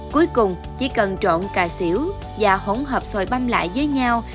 cuối cùng chỉ cần trộn cà xỉu và hỗn hợp xoài băm lại với nhau